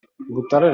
Buttare là.